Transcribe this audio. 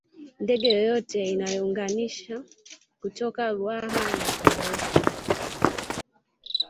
Ndege yoyote inayounganisha kutoka Ruaha na Dar es Salaam